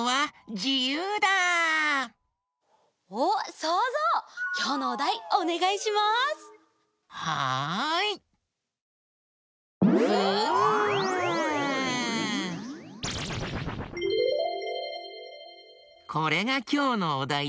これがきょうのおだいだよ。